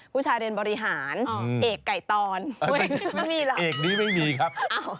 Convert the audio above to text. ผู้ชายเรียนบริหารเอกไก่ตอนไม่มีแล้วเอกนี้ไม่มีครับ